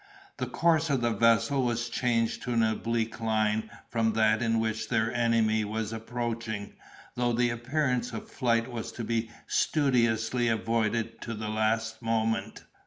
The course of the vessel was changed to an oblique line from that in which their enemy was approaching, though the appearance of flight was to be studiously avoided to the last moment.